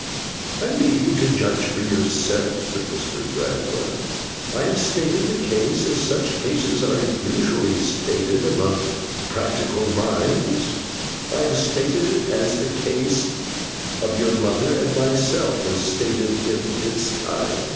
'I now leave you to judge for yourself,' said Mr. Gradgrind. 'I have stated the case, as such cases are usually stated among practical minds; I have stated it, as the case of your mother and myself was stated in its time.